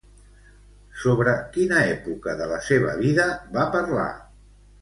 Sobre quina època de la seva vida va parlar?